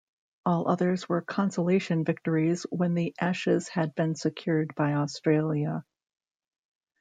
All others were consolation victories when the Ashes had been secured by Australia.